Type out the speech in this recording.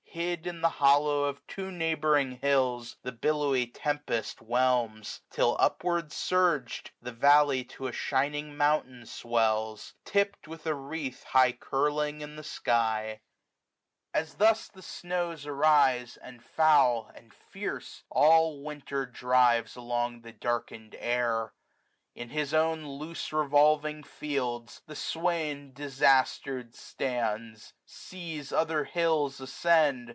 Hid in the hollow of two neighbouring hills. The billowy tempest whelms ; till, upward urg'd. The valley to a shimng mountain swdls, B B \ i96 WINTER. Tipt with a wreath high curling in the sky. ajg As thus the snows arise ; and foul, and fierce. All Winter drives along the darkened air j In his own loose ievolving fields, the swain Disaster'd stands ; sees other hills ascend.